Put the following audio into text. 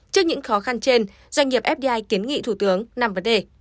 trước những khó khăn trên doanh nghiệp fdi kiến nghị thủ tướng năm vấn đề